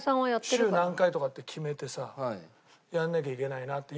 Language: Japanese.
週何回とかって決めてさやんなきゃいけないなって。